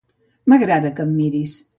M'agrada que em miris.